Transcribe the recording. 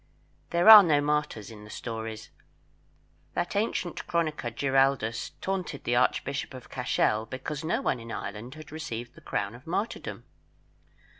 There are no martyrs in the stories. That ancient chronicler Giraldus taunted the Archbishop of Cashel because no one in Ireland had received the crown of martyrdom.